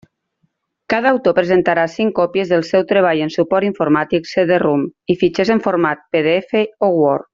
Cada autor presentarà cinc còpies del seu treball en suport informàtic CD-ROM i fitxers en format PDF o Word.